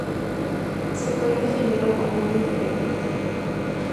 Se podría definirlo como un independiente.